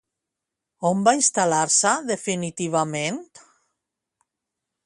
On va instal·lar-se definitivament?